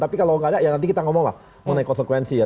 tapi kalau nggak ada ya nanti kita ngomong lah mengenai konsekuensi ya